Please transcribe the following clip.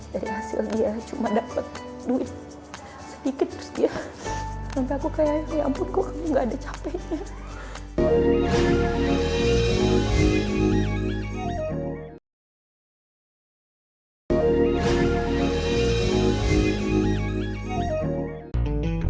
dari hasil dia cuma dapat duit sedikit terus turun ke sini